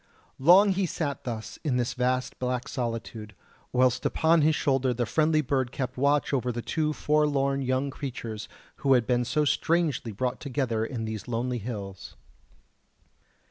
Long he sat thus in this vast black solitude, whilst upon his shoulder the friendly bird kept watch over the two forlorn young creatures who had been so strangely brought together in these lonely hills.